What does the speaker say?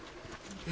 え？